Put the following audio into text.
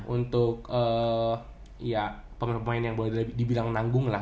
untuk pemain pemain yang boleh dibilang nanggung lah